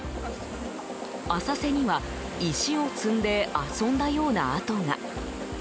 浅瀬には石を積んで遊んだような跡が。